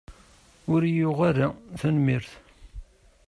Ur iyi-yuɣ ara, tanemmirt.